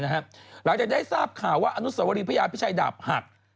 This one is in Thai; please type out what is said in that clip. หลังจากได้ทราบข่าวว่าอนุสวรีพระยาพิชัยดาบหัก